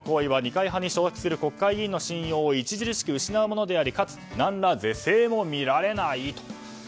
内容が昨今の貴殿の行為は二階派に所属する国会議員の信用を著しく失うものでありかつ何ら是正も見られないと。